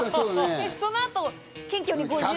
そのあと、謙虚に５０。